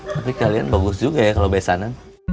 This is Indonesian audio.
tapi kalian bagus juga ya kalau besarnya